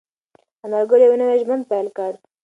انارګل یو نوی ژوند پیل کړ.